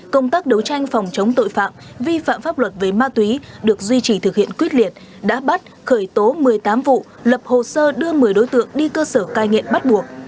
công tác đấu tranh phòng chống tội phạm vi phạm pháp luật về ma túy được duy trì thực hiện quyết liệt đã bắt khởi tố một mươi tám vụ lập hồ sơ đưa một mươi đối tượng đi cơ sở cai nghiện bắt buộc